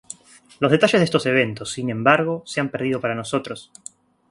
Los detalles de estos eventos, sin embargo, se han perdido para nosotros.